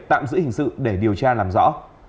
tạm giữ hình sự để điều tra làm rõ